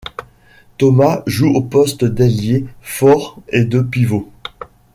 Thomas joue aux postes d'ailier fort et de pivot.